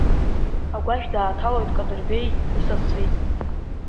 Агәашә дааҭалоит Кадырбеи исасцәа ицны.